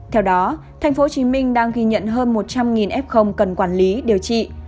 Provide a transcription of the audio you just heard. theo đó tp hcm đang ghi nhận hơn một trăm linh f cần quản lý điều trị